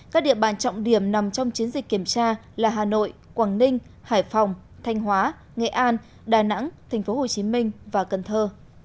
các địa bàn trọng điểm nằm trong chiến dịch kiểm tra là hà nội quảng ninh hải phòng thanh hóa nghệ an đà nẵng tp hcm và cần thơ